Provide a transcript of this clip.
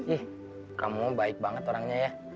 ih kamu baik banget orangnya ya